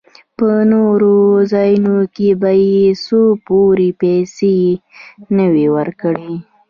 په نورو ځايو کښې به چې څو پورې پيسې يې نه وې ورکړې.